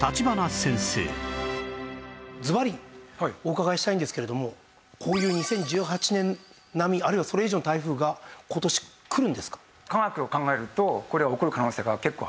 ずばりお伺いしたいんですけれどもこういう２０１８年並みあるいはそれ以上の台風が今年来るんですか？